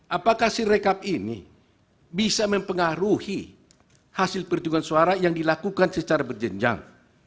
apakah si rekap ini bisa mempengaruhi hasil perhitungan suara yang dilakukan secara berjenjang